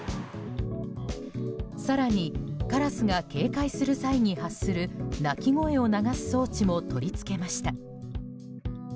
更にカラスが警戒する際に発する鳴き声を流す装置も取り付けました。